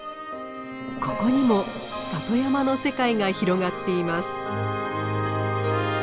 ここにも里山の世界が広がっています。